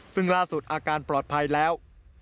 ซึ่งล่าสุดอาการปลอดภัยแล้ว